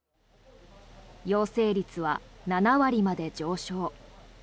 陽性率は７割まで上昇。